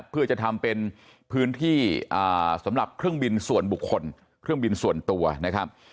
เพื่อจะทำเป็นพื้นที่สำหรับเครื่องบินส่วนบุคคลเครื่องบินส่วนตัวนะครับ